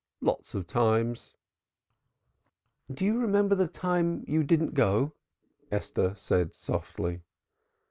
"Lots of times." "Do you remember the time you didn't go?" Esther said softly.